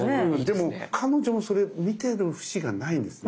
でも彼女もそれ見てる節がないんです。